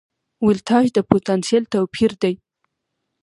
ولتاژ د پوتنسیال توپیر دی.